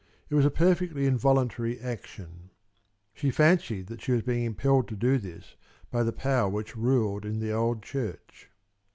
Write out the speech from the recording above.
It was a perfectly involuntary action. She fancied that she was being impelled to do this by the power which ruled in the old church.